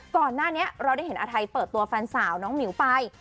ก่อนหน้านี้เราได้เห็นอาทัยเปิดตัวแฟนสาวน้องหมิวไป